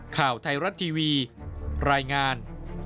ข่าวไทยรัฐทีวีรายงาน